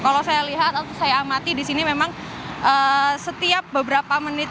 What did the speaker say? kalau saya lihat atau saya amati di sini memang setiap beberapa menit